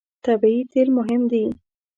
طبیعي تېل مهم دي.